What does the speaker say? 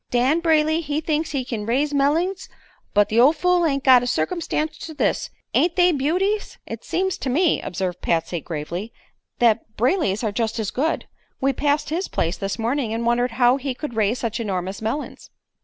Dan Brayley he thinks he kin raise mellings, but the ol' fool ain't got a circumstance to this. Ain't they beauties?" "It seems to me," observed Patsy, gravely, "that Brayley's are just as good. We passed his place this morning and wondered how he could raise such enormous melons."